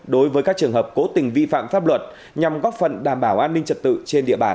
đối với các trường hợp cố tình vi phạm pháp luật nhằm góp phần đảm bảo an ninh trật tự trên địa bàn